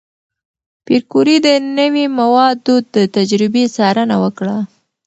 پېیر کوري د نوې موادو د تجربې څارنه وکړه.